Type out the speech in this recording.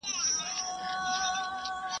یوه ورځ په ښار کي جوړه غلغله سوه ,